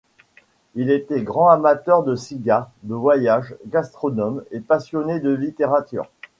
Il était grand amateur de cigares, de voyages, gastronome et passionné de littérature.